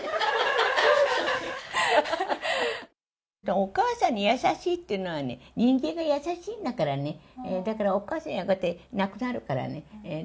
お母さんに優しいっていうのはね、人間が優しいんだからね、だからおかあさんはやがて亡くなるからね。